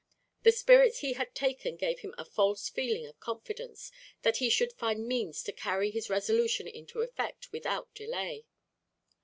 The spirits he had taken gave him a false feeling of confidence that he should find means to carry his resolution into effect without delay.